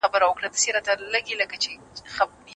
ایا تاسو د سمارټ ښارونو د پلانونو په اړه کوم معلومات لرئ؟